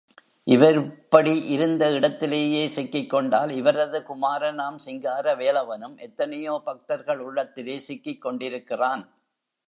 இவர் இப்படி இருந்த இடத்திலேயே சிக்கிக்கொண்டால், இவரது குமாரனாம் சிங்காரவேலவனும் எத்தனையோ பக்தர்கள் உள்ளத்திலே சிக்கிக் கொண்டிருக்கிறான்.